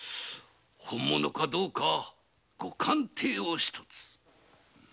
本物かどうかご鑑定を一つ。